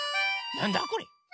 なんだこれ？